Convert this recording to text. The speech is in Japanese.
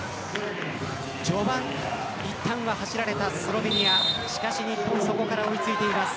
序盤、いったんは走られたスロベニアしかし、日本そこから追い付いています。